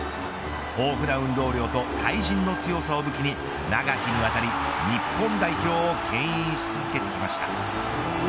豊富な運動量と対人の強さを武器に長きにわたり日本代表をけん引し続けてきました。